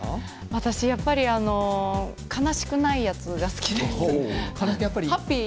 私はやっぱり悲しくないやつが好きです。